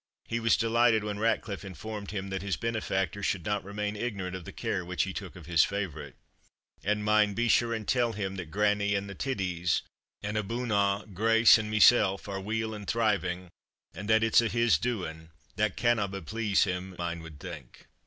He was delighted when Ratcliffe informed him that his benefactor should not remain ignorant of the care which he took of his favourite. "And mind be sure and tell him that grannie and the titties, and, abune a', Grace and mysell, are weel and thriving, and that it's a' his doing that canna but please him, ane wad think."